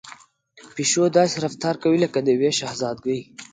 پيشو داسې رفتار کوي لکه د يوې شهزادګۍ.